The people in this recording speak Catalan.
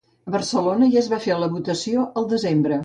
A Barcelona ja es va fer la votació al desembre.